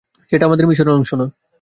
সেটা আমাদের মিশনের অংশ না।